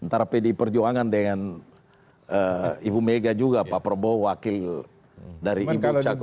antara pdi perjuangan dengan ibu mega juga pak prabowo wakil dari ibu cakung